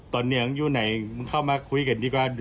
ตอนนี้มึงอยู่ไหนมึงเข้ามาคุยกันดีกว่า